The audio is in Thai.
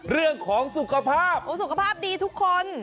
เรื่องของสุขภาพสุขภาพดีทุกคน